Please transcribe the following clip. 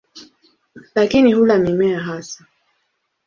Lakini hula mimea hasa.